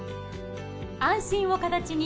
安心を形に。